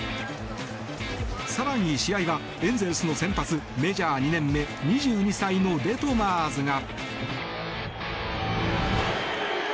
更に、試合はエンゼルスの先発メジャー２年目２２歳のデトマーズが。